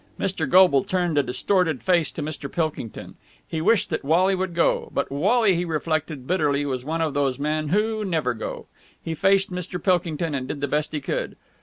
Mr. Goble turned a distorted face to Mr. Pilkington. He wished that Wally would go. But Wally, he reflected, bitterly, was one of those men who never go. He faced Mr. Pilkington and did the best he could.